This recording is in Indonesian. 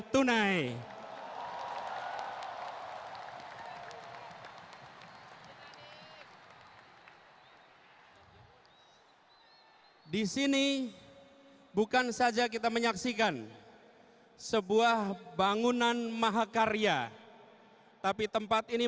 tunai di sini bukan saja kita menyaksikan sebuah bangunan mahakarya tapi tempat ini